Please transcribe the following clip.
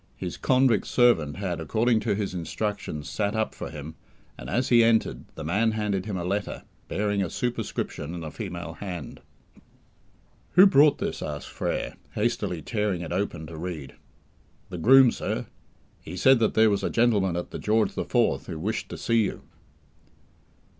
His convict servant had, according to his instructions, sat up for him, and as he entered, the man handed him a letter, bearing a superscription in a female hand. "Who brought this?" asked Frere, hastily tearing it open to read. "The groom, sir. He said that there was a gentleman at the 'George the Fourth' who wished to see you."